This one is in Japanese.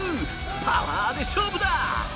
パワーで勝負だ！